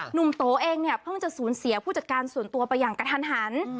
หนุ่มโตเองเพิ่งจะสูญเสียผู้จัดการส่วนตัวไปอย่างกระทัน